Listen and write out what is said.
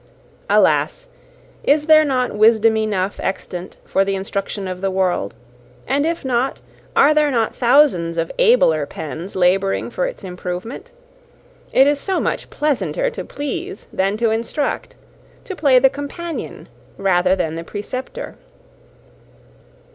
Alas! is there not wisdom enough extant for the instruction of the world? And if not, are there not thousands of abler pens labouring for its improvement? It is so much pleasanter to please than to instruct to play the companion rather than the preceptor.